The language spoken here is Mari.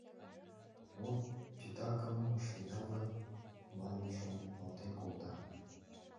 «Мо титакым ыштенам гын?» — манын шоналтен колта.